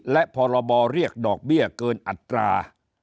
และพรบเรียกดอกเบี้ยเกินอัตรา